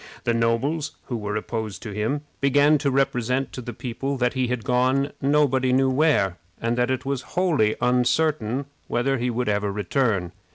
The nobles who were opposed to him began to represent to the people that he had gone nobody knew where, and that it was wholly uncertain whether he would ever return.